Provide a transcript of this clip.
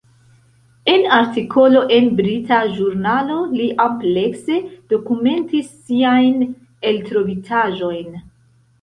En artikolo en brita ĵurnalo li amplekse dokumentis siajn eltrovitaĵojn.